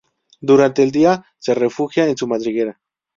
Durante el día se refugia en su madriguera.